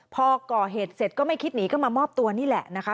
พอก่อเหตุเสร็จก็ไม่คิดหนีก็มามอบตัวนี่แหละนะคะ